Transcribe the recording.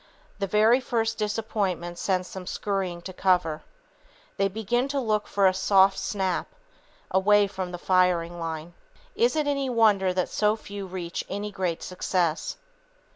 The very first disappointment sends them scurrying to cover. They begin to look for a "soft snap" away from the firing line. Is it any wonder that so few reach any great success?